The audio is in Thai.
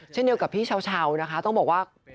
เช่นเดียวกับพี่เช้านะคะต้องบอกว่า